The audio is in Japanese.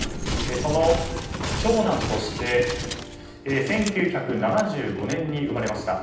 その長男として１９７５年に生まれました。